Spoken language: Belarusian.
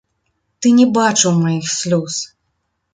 Ты не бачыў маіх слёз!